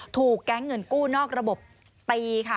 ถูกแก๊งเงินกู้นอกระบบตีค่ะ